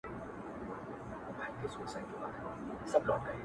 څو مست لفظونه ستا له غزلزاره راوتلي-